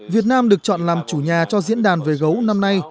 việt nam được chọn làm chủ nhà cho diễn đàn về gấu năm nay